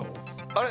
あれ？